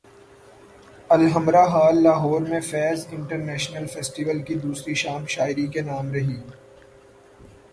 Alhamra hall Lahore میں Faiz international festival کی دوسری شام شاعری کے نام رہی